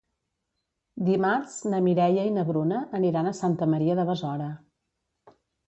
Dimarts na Mireia i na Bruna aniran a Santa Maria de Besora.